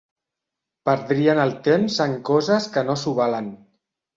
Perdrien el temps en coses que no s'ho valen.